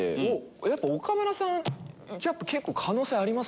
やっぱ岡村さん結構可能性ありますよ。